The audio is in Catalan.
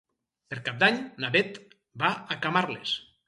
Per Cap d'Any na Bet va a Camarles.